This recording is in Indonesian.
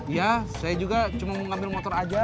ya saya juga cuma mau ngambil motor aja